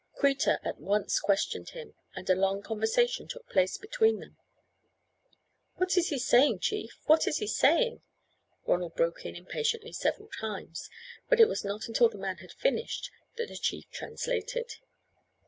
Kreta at once questioned him, and a long conversation took place between them. "What is he saying, chief? What is he saying?" Ronald broke in impatiently several times; but it was not until the man had finished that the chief translated.